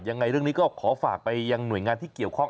ยังไงเรื่องนี้ก็ขอฝากไปยังหน่วยงานที่เกี่ยวข้อง